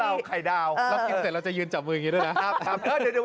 เหล่ากินเสร็จเราจะยืนจับมืออย่างนี้ด้วยค่ะ